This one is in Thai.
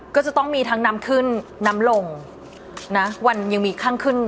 ก็จะต้องมีทั้งน้ำขึ้นน้ำลงนะวันยังมีข้างขึ้น